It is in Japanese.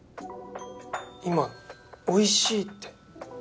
今「おいしい」って。